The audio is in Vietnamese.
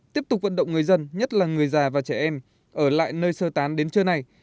tiếp tục vận động người dân nhất là người già và trẻ em ở lại nơi sơ tán đến trưa này